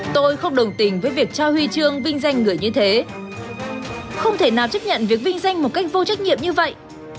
tôi không đồng tình với việc trao huy chương vinh danh người như thế không thể nào chấp nhận việc vinh danh một cách vô trách nhiệm như vậy